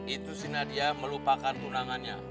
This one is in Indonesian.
itu si nadia melupakan tunangannya